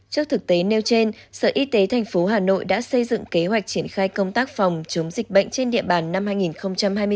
trước thực tế nêu trên sở y tế tp hà nội đã xây dựng kế hoạch triển khai công tác phòng chống dịch bệnh trên địa bàn năm hai nghìn hai mươi bốn